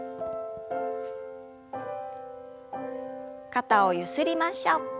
肩をゆすりましょう。